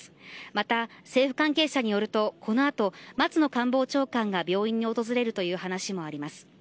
また、政府関係者によるとこの後、松野官房長官が病院に訪れるという話もあります。